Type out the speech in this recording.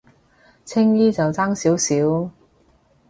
青衣就爭少少